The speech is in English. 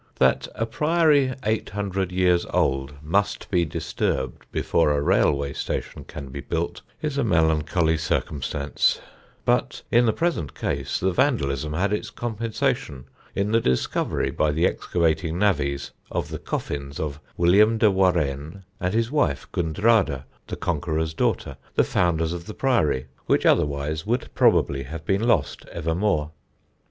That a priory eight hundred years old must be disturbed before a railway station can be built is a melancholy circumstance; but in the present case the vandalism had its compensation in the discovery by the excavating navvies of the coffins of William de Warenne and his wife Gundrada (the Conqueror's daughter), the founders of the priory, which otherwise would probably have been lost evermore.